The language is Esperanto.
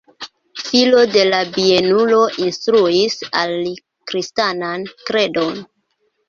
Filo de la bienulo instruis al li kristanan kredon.